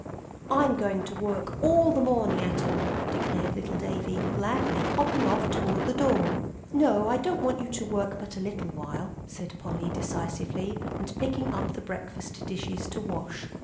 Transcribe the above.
"I'm going to work all the morning at 'em," declared little Davie, gladly, hopping off toward the door. "No, I don't want you to work but a little while," said Polly, decisively, and picking up the breakfast dishes to wash.